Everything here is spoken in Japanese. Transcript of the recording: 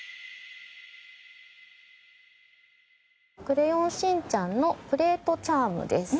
『クレヨンしんちゃん』のプレートチャームです。